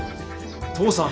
父さん。